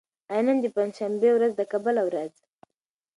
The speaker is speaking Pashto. آیا نن د پنجشنبې ورځ ده که بله ورځ؟